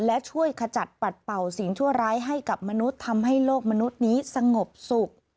และช่วยขจัดปัดเป่าสิ่งชั่วร้ายให้กับมนุษย์ทำให้โลกมนุษย์นี้สงบสุข